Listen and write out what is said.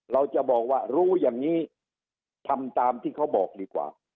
เราจะบอกว่ารู้อย่างนี้ทำตามที่เขาบอกดีกว่า